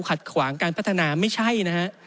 ขัดขวางการพัฒนาไม่ใช่นะฮะ